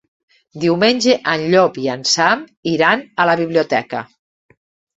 Diumenge en Llop i en Sam iran a la biblioteca.